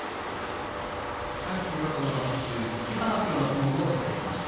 魁聖はこの場所中突き放すような相撲も取ってきました。